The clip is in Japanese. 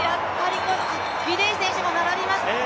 ギデイ選手も並びます。